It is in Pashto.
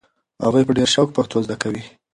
هغوی په ډېر شوق پښتو زده کوي.